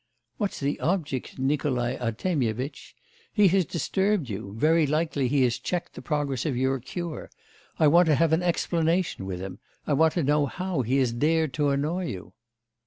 'What's the object, Nikolai Artemyevitch? He has disturbed you; very likely he has checked the progress of your cure. I want to have an explanation with him. I want to know how he has dared to annoy you.